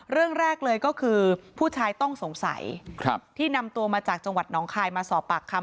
เรื่องแรกเลยก็คือผู้ชายต้องสงสัยที่นำตัวมาจากจังหวัดหนองคายมาสอบปากคำ